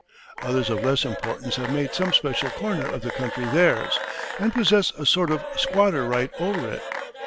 Others of less importance have made some special corner of the country theirs, and possess a sort of squatter right over it.